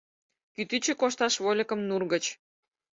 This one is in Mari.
Кӱтӱчӧ кошташ вольыкым нур гыч